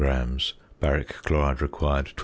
0 c.c. "Baric chloride" required 20.